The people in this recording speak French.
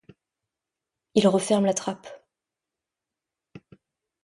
Il referme la trappe.